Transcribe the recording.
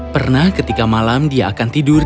pernah ketika malam dia akan tidur